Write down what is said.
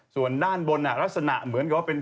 ส่วนด้านบนลักษณะเหมือนกับว่าเป็น